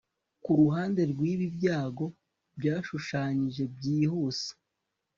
Kuruhande rwibi byago byashushanyije byihuse